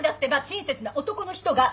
親切な男の人が。